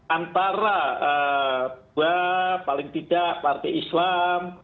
antara dua paling tidak partai islam